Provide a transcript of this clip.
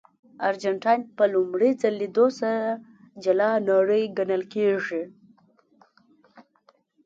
ارجنټاین په لومړي ځل لیدو سره جلا نړۍ ګڼل کېږي.